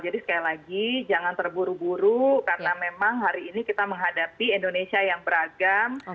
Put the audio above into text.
jadi sekali lagi jangan terburu buru karena memang hari ini kita menghadapi indonesia yang beragam